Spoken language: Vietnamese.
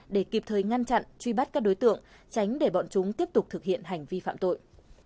để kịp thời ngăn chặn truy bắt các đối tượng tránh để bọn chúng tiếp tục thực hiện hành vi phạm tội